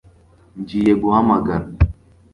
Ngiye guhamagara